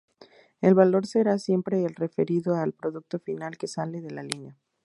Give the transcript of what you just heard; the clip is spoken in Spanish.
El valor será siempre el referido al producto final que sale de la línea.